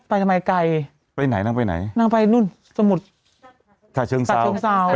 ไปทำไมไกลไปไหนนั่งไปไหนนั่งไปนู่นสมุทรตาเชิงเศร้า